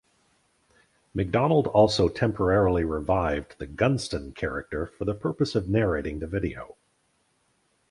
McDonald also temporarily revived the Gunston character for the purpose of narrating the video.